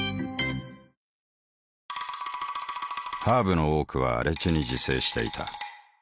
ハーブの多くは荒地に自生していた。